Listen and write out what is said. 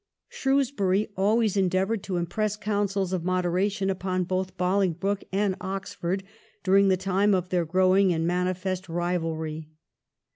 Shrewsbury always endeavoured to impress counsels of moderation upon both Bolingbroke and Oxford during the time of their growing and manifest rivalry.